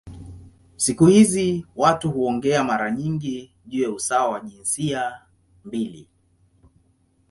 Siku hizi watu huongea mara nyingi juu ya usawa wa jinsia mbili.